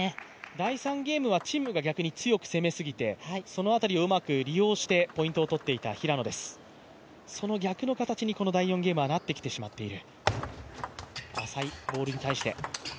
第３ゲームは陳夢が逆に強く攻めすぎて、そのあたりをうまく利用してポイントをとっていた平野です、その逆の形にこの第４ゲームはなってきてしまっている。